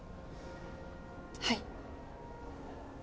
はい。